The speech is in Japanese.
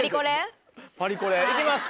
パリコレ？いきます。